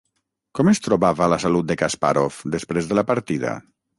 Com es trobava la salut de Kaspàrov després de la partida?